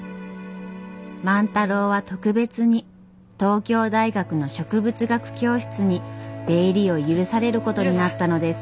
万太郎は特別に東京大学の植物学教室に出入りを許されることになったのです。